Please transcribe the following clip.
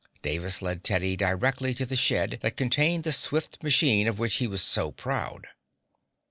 Davis led Teddy directly to the shed that contained the swift machine of which he was so proud.